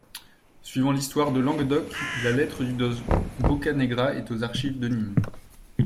Suivant l'histoire de Languedoc, la lettre du doge Boccanegra est aux archives de Nîmes.